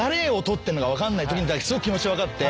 すごく気持ち分かって。